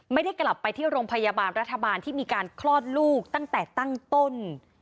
ไม่ได้กลับไปที่โรงพยาบาลรัฐบาลที่มีการคลอดลูกตั้งแต่ตั้งต้น